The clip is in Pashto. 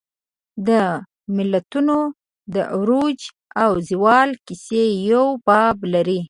د ملتونو د عروج او زوال کیسه یو باب لري.